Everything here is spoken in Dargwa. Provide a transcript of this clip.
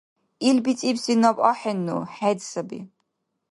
Ил бицӀибси наб ахӀенну, хӀед саби.